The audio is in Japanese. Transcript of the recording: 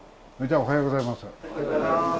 おはようございます。